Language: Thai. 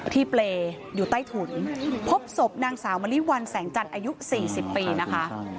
เปรย์อยู่ใต้ถุนพบศพนางสาวมะลิวัลแสงจันทร์อายุ๔๐ปีนะคะ